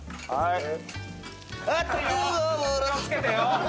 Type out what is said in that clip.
気を付けてよ！